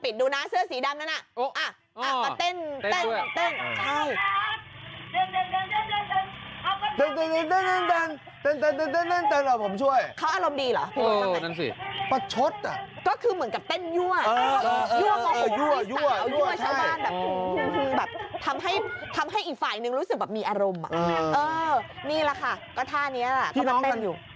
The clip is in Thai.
เออนี่แหละค่ะก็ท่านี้แหละก็มันเป็นพี่น้องกันอยู่